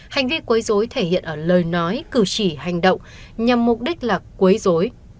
hành vi cuối dối thể hiện ở lời nói cử chỉ hành động nhằm mục đích là cuối dối